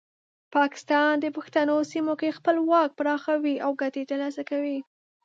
پاکستان د پښتنو سیمه کې خپل واک پراخوي او ګټې ترلاسه کوي.